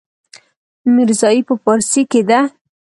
ميرزايي په پارسي کې ده.